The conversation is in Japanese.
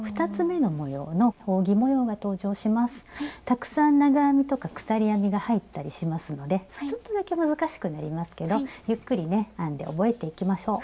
たくさん長編みとか鎖編みが入ったりしますのでちょっとだけ難しくなりますけどゆっくりね編んで覚えていきましょう。